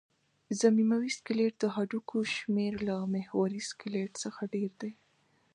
ضمیموي سکلېټ د هډوکو شمېر له محوري سکلېټ څخه ډېر دی.